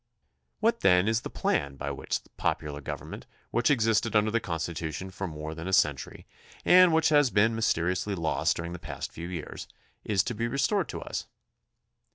What, then, is the plan by which popular govern ment, which existed under the Constitution for more THE CONSTITUTION AND ITS MAKERS 57 than a century and which has been mysteriously lost during the past few years, is to be restored to us?